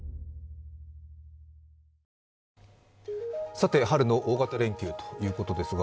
さて、春の大型連休ということですが。